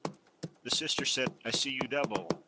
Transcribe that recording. The sister said, "I see you double!